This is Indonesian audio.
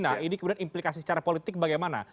nah ini kemudian implikasi secara politik bagaimana